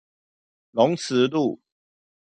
龍慈路